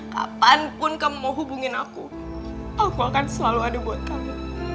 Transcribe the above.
kapanpun kamu mau hubungin aku aku akan selalu adu buat kamu